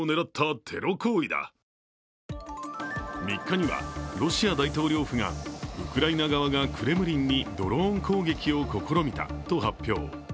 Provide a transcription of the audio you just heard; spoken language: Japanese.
３日にはロシア大統領府がウクライナ側がクレムリンにドローン攻撃を試みたと発表。